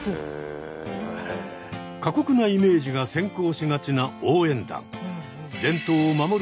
過酷なイメージが先行しがちな応援団。